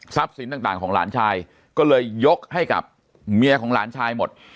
สินต่างของหลานชายก็เลยยกให้กับเมียของหลานชายหมด